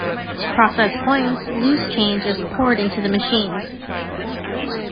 To process coins, loose change is poured into the machine.